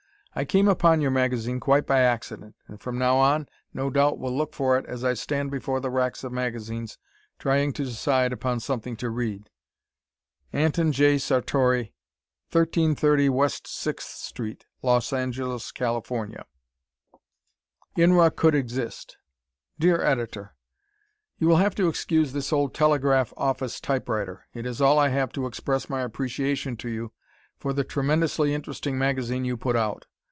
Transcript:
I came upon your magazine quite by accident, and from now on no doubt will look for it as I stand before the racks of magazines, trying to decide upon something to read Anton J. Sartori, 1330 W. 6th St., Los Angeles, Calif. Inra Could Exist Dear Editor: You will have to excuse this old telegraph office typewriter. It is all I have to express my appreciation to you for the tremendously interesting magazine you put out.